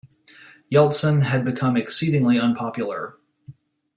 Yeltsin had become exceedingly unpopular.